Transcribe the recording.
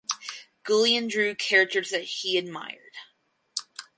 Guillain drew characters that he admired.